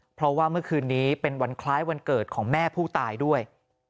เพราะว่าเมื่อคืนนี้เป็นวันคล้ายวันเกิดของแม่ผู้ตายด้วย